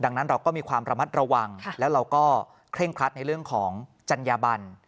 ดังนั้นเราก็มีความระมัดระวังแล้วเราก็เคร่งครัดในเรื่องของจัญญาบัน